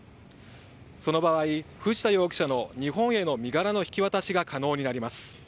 その場合、藤田容疑者の日本への身柄の引き渡しが可能になります。